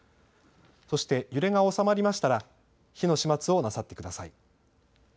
そして揺れが収まりましたら火の始末をなさってください。